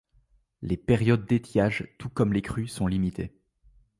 Les périodes d'étiage, tout comme les crues sont limitées.